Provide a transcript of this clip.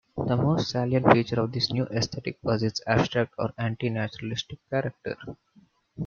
The most salient feature of this new aesthetic was its "abstract," or anti-naturalistic character.